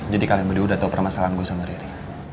jadi kalian berdua udah tau permasalahan gue sama riri